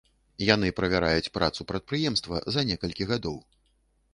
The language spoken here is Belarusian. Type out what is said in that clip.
Яны правяраюць працу прадпрыемства за некалькі гадоў.